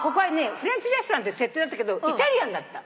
フレンチレストランって設定だったけどイタリアンだった。